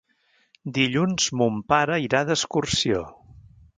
Dilluns mon pare irà d'excursió.